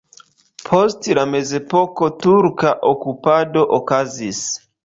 Post la mezepoko turka okupado okazis.